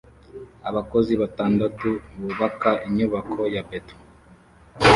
abakozi batandatu bubaka inyubako ya beto